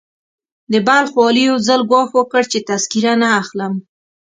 د بلخ والي يو ځل ګواښ وکړ چې تذکره نه اخلم.